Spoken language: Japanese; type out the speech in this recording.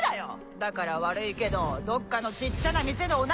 「だから悪いけどどっかのちっちゃな店のお涙